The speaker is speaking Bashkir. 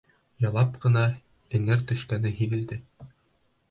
Яйлап ҡына эңер төшкәне һиҙелде.